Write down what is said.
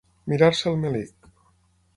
Mirar-se el melic.